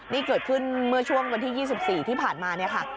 นี่เกิดขึ้นเมื่อช่วงวันที่๒๔ที่ผ่านมา